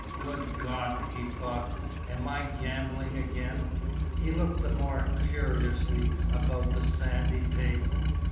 "Good God!" he thought, "am I gambling again?" He looked the more curiously about the sandy table.